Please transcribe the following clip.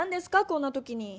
こんな時に。